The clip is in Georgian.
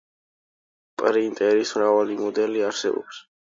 პრინტერის მრავალი მოდელი არსებობს.